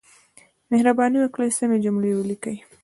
مهرباني وکړئ، سمې جملې وليکئ!